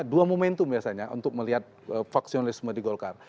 dua momentum biasanya untuk melihat faksionalisme di golkar